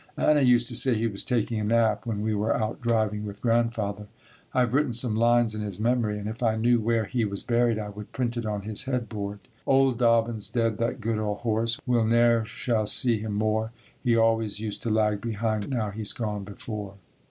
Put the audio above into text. Anna used to say he was taking a nap when we were out driving with Grandfather. I have written some lines in his memory and if I knew where he was buried, I would print it on his head board. Old Dobbin's dead, that good old horse, We ne'er shall see him more, He always used to lag behind But now he's gone before.